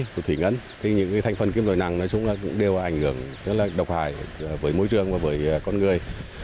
thủy ngân thì những thành phần kim loại nặng nói chung là cũng đều ảnh hưởng rất là độc hại với môi trường và với con người